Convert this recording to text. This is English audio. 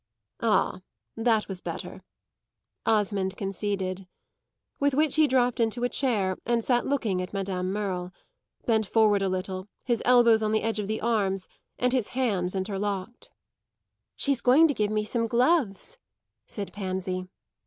"Ah, that was better," Osmond conceded. With which he dropped into a chair and sat looking at Madame Merle; bent forward a little, his elbows on the edge of the arms and his hands interlocked. "She's going to give me some gloves," said Pansy.